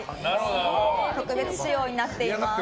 特別仕様になっています。